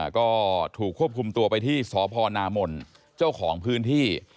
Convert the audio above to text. ก็ถูกควบคุมตัวไปที่สพนามนเจ้าของพื้นที่